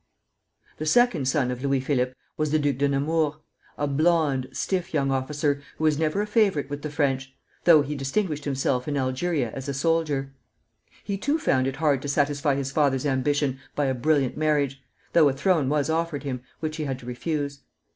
The second son of Louis Philippe was the Duc de Nemours, a blond, stiff young officer who was never a favorite with the French, though he distinguished himself in Algeria as a soldier. He too found it hard to satisfy his father's ambition by a brilliant marriage, though a throne was offered him, which he had to refuse.